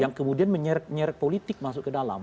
yang kemudian menyeret nyerek politik masuk ke dalam